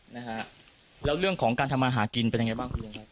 นะฮะแล้วเรื่องของการทำมาหากินเป็นยังไงบ้างคุณลุงครับ